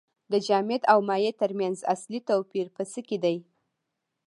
د جامد او مایع ترمنځ اصلي توپیر په څه کې دی